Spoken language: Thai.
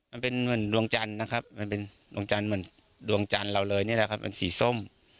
มันเป็นเหมือนดวงจันทร์นะครับมันเป็นดวงจันทร์เหมือนดวงจันทร์เราเลยนี่แหละครับเป็นสีส้ม